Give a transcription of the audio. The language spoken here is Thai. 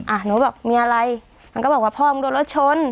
หนูบอกมีอะไรมันก็บอกว่าพ่อมึงโดนรถชน